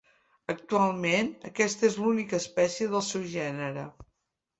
Actualment, aquesta és l'única espècie del seu gènere.